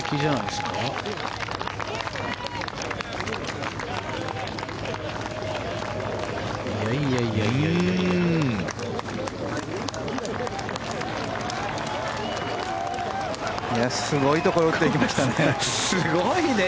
すごいところに打っていきましたね。